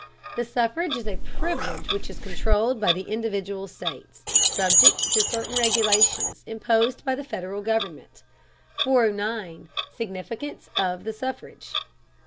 The suffrage is a privilege which is controlled by the individual states, subject to certain regulations imposed by the Federal government. 409. SIGNIFICANCE OF THE SUFFRAGE.